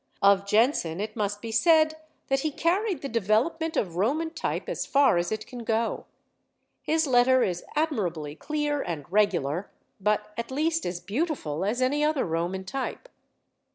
Of Jenson it must be said that he carried the development of Roman type as far as it can go: his letter is admirably clear and regular, but at least as beautiful as any other Roman type.